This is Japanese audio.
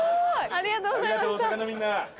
ありがとう大阪のみんな。